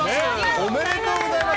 ありがとうございます。